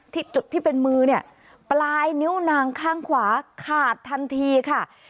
จุดที่เป็นมือเนี่ยปลายนิ้วนางข้างขวาขาดทันทีค่ะ